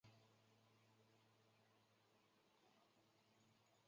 误差就是估计值与被估计量的差。